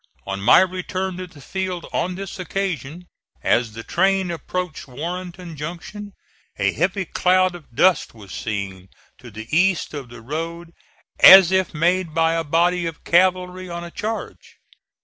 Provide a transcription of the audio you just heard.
On my return to the field on this occasion, as the train approached Warrenton Junction, a heavy cloud of dust was seen to the east of the road as if made by a body of cavalry on a charge.